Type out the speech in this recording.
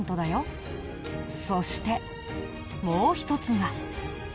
そしてもう一つが。